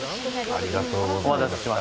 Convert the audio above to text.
ありがとうございます。